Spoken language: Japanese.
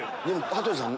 羽鳥さん